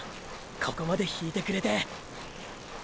ここまで引いてくれて。